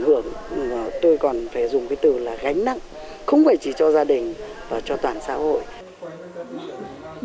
hưởng tôi còn phải dùng cái từ là gánh nặng không phải chỉ cho gia đình và cho toàn xã hội